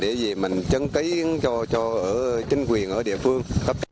để gì mình chấn ký cho chính quyền ở địa phương